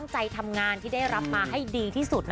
จริงสุด